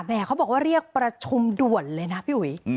เขาบอกว่าเรียกประชุมด่วนเลยนะพี่อุ๋ย